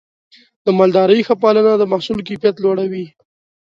د مالدارۍ ښه پالنه د محصول کیفیت لوړوي.